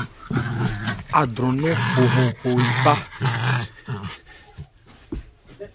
Ádwran nɔn o hɔn hɔ npá.